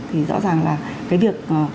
thì rõ ràng là cái việc